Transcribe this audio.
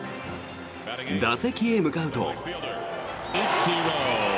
打席へ向かうと。